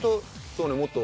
そうねもっと。